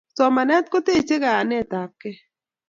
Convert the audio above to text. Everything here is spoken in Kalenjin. Somanet kotechei kayanet ab kei